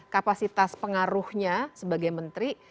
kapasitas pengaruhnya sebagai menteri